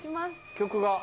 曲が。